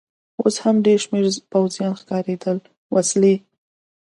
اوس هم ډېر شمېر پوځیان ښکارېدل، وسلې.